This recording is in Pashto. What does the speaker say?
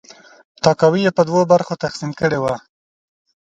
تاکاوی یې په دوه برخو تقسیم کړې ده.